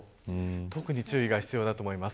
特に注意が必要だと思います。